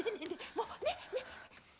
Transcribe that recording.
もうね！